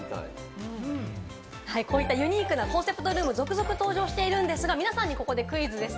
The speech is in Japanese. こういったユニークなコンセプトルーム、続々登場しているんですが、皆さんにここでクイズです。